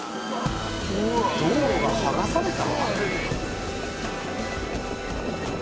道路が剥がされた？